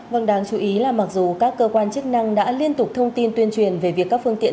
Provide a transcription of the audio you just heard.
vâng đáng chú ý là mặc dù các cơ quan chức năng đã liên tục thông tin tuyên truyền về việc các phương tiện